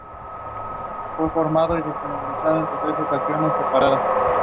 David Bramwell.